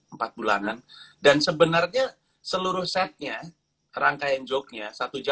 empat bulanan dan sebenarnya seluruh setnya rangkaian jognya satu jam empat puluh lima menit itu udah kelar